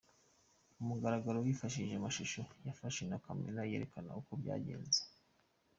ku mugaragaro yifashishije amashusho yafashwe na Camera yerekana uko byagenze